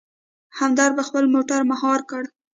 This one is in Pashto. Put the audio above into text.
همدرد په خپله موټر مهار کړ.